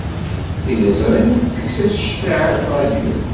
Tiliẓri tekkes-as cciɛa i ṛṛadyu.